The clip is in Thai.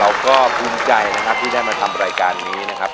เราก็ภูมิใจนะครับที่ได้มาทำรายการนี้นะครับ